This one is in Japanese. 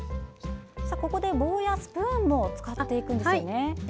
ここで、棒やスプーンも使っていくんですよね。